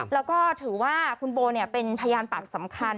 แล้วก็ถือว่าคุณโบเป็นพยานปากสำคัญ